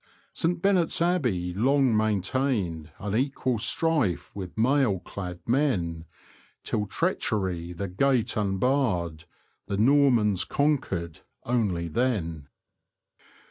St. Benet's Abbey long maintained Unequal strife with mail clad men. Till treachery the gate unbarred : The Normans conquered only then.